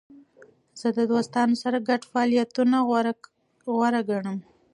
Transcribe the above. زه د دوستانو سره ګډ فعالیتونه غوره ګڼم.